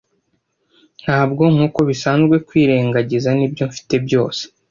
Ntabwo, nkuko bisanzwe, kwirengagiza, nibyo mfite byose